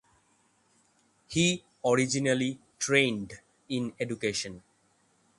He originally trained in education.